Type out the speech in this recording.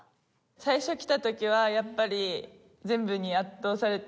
最初来たときはやっぱり全部に圧倒されて。